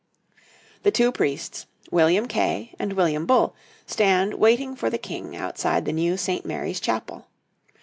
The two priests, William Kaye and William Bull, stand waiting for the King outside the new Saint Mary's Chapel.